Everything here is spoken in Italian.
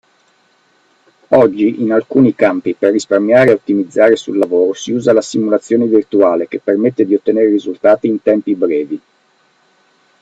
Oggi, in alcuni campi, per risparmiare e ottimizzare sul lavoro si usa la simulazione virtuale che permette di ottenere risultati in tempi brevi.